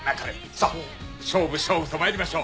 さあ勝負勝負とまいりましょう。